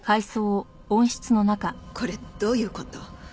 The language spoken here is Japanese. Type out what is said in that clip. これどういう事？